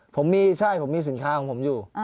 ผมมีใช่ผมมีสินค้าของผมอยู่